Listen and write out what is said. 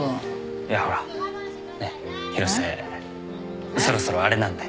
いやほらねっ広瀬そろそろあれなんで。